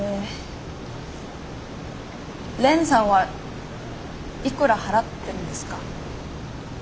蓮さんはいくら払ってるんですか？